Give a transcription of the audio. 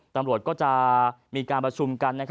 ตำรวจก็จะมีการประชุมกัน